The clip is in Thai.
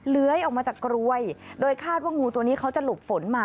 เลื้อยออกมาจากกรวยโดยคาดว่างูตัวนี้เขาจะหลบฝนมา